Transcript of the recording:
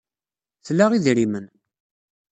Tla idrimen.